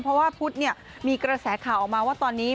เพราะว่าพุทธเนี่ยมีกระแสข่าวออกมาว่าตอนนี้